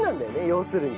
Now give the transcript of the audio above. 要するに。